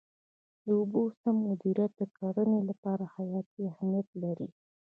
د اوبو سم مدیریت د کرنې لپاره حیاتي اهمیت لري.